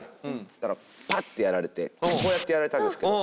そしたらぱってやられてこうやってやられたんですけどこうやって。